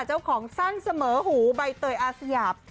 เจ้าของสั้นเสมอหูใบเตยอาสยาบ